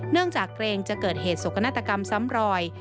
จากเกรงจะเกิดเหตุสกนาฏกรรมซ้ำรอย